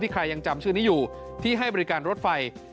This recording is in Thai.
ใครยังจำชื่อนี้อยู่ที่ให้บริการรถไฟ